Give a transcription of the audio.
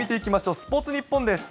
スポーツニッポンです。